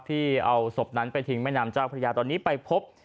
ที่เอาศพนั้นไปทิ้งแม่น้ำเจ้าพระยาตอนนี้ไปพบ